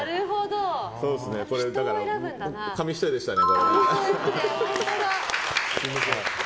紙一重でしたね。